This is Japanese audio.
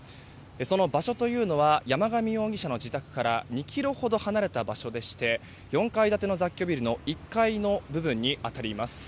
その場所というのは山上容疑者の自宅から２ｋｍほど離れた場所でして４階建ての雑居ビルの１階の部分に当たります。